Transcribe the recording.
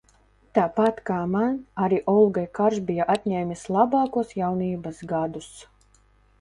Tāpat, kā man, arī Olgai karš bija atņēmis labākos jaunības gadus.